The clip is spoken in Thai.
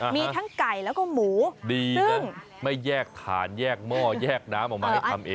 มีทั้งไก่แล้วก็หมูดีนะไม่แยกฐานแยกหม้อแยกน้ำออกมาให้ทำเอง